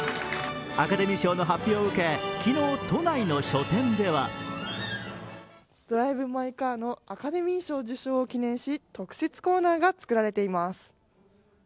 アカデミー賞の発表を受け、昨日都内の書店では「ドライブ・マイ・カー」のアカデミー賞受賞を記念し特設コーナーが作られています。